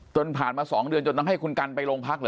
ผ่านมา๒เดือนจนต้องให้คุณกันไปโรงพักเหรอ